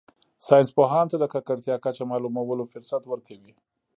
ساینس پوهانو ته د ککړتیا کچه معلومولو فرصت ورکوي